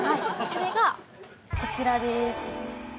それがこちらです。